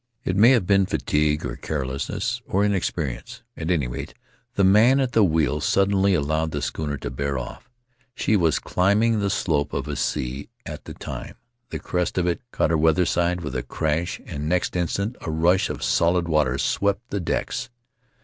It may have been fatigue, or carelessness, or inexperience — at any rate, the man at the wheel suddenly allowed the schooner to bear off; she was climbing the slope of a sea at the time — the crest of it caught her weather side with a crash and next instant a rush of solid water swept the decks.